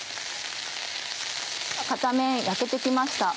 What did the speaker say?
片面焼けて来ました。